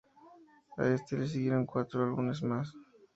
A este le siguieron cuatro álbumes más.